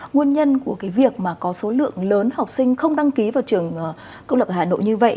nguồn nhân của cái việc mà có số lượng lớn học sinh không đăng ký vào trường công lập hà nội như vậy